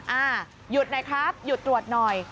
อ่าหยุดหน่อยครับหยุดตรวจหน่อย